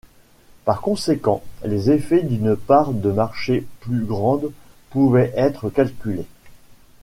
Par conséquent, les effets d'une part de marché plus grande pouvaient être calculés.